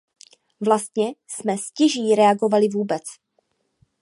Vlastně jsme stěží reagovali vůbec.